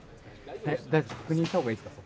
確認した方がいいですか？